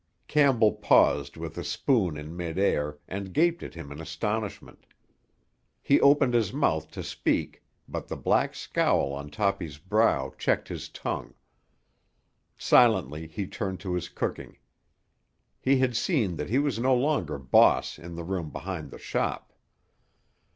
Campbell paused with a spoon in midair and gaped at him in astonishment. He opened his mouth to speak, but the black scowl on Toppy's brow checked his tongue. Silently he turned to his cooking. He had seen that he was no longer boss in the room behind the shop.